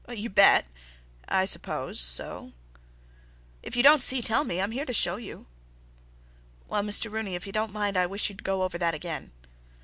"You bet—I suppose so." "If you don't see, tell me. I'm here to show you." "Well, Mr. Rooney, if you don't mind, I wish you'd go over that again."